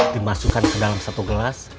dimasukkan ke dalam satu gelas